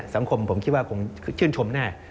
สังคมผมคิดว่าคงชื่นชมแน่